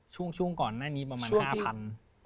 ช่วงก่อนหน้านี้ประมาณ๕๐๐บาท